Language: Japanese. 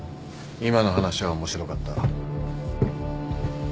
今の話は面白かった。